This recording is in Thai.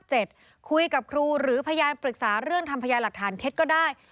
ตำรวจในภาค๗คุยกับครูหรือพยานปรึกษาเรื่องทำพยายหลักฐานเท็จก็ได้